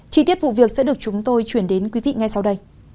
chi tiết vụ việc sẽ được chúng tôi chuyển đến quý vị ngay sau đây